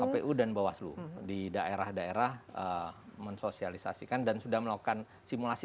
kpu dan bawaslu di daerah daerah mensosialisasikan dan sudah melakukan simulasi